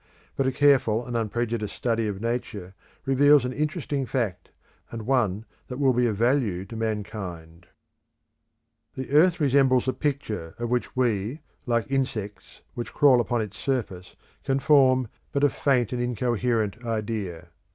But a careful and unprejudiced study of Nature reveals an interesting fact and one that will be of value to mankind. The earth resembles a picture, of which we, like insects which crawl upon its surface, can form but a faint and incoherent idea.